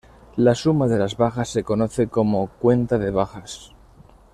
La suma de las bajas se conoce como "cuenta de bajas".